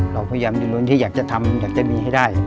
เราพยายามอยู่โรงพยาบาลอยากจะทำอยากจะมีให้ได้